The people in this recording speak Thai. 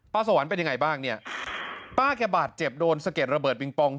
สวรรค์เป็นยังไงบ้างเนี่ยป้าแกบาดเจ็บโดนสะเก็ดระเบิดปิงปอง